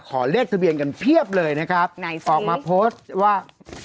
เลขทะเบียนกันเพียบเลยนะครับไหนออกมาโพสต์ว่า